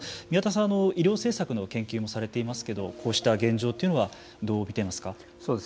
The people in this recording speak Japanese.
宮田さんは医療政策の研究もされていますけどこうした現状というのはどう見ていますか。